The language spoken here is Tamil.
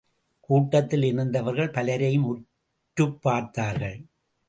கூட்டத்தில் இருந்தவர்கள் பலரையும் உற்றுப் பார்த்தார்கள்.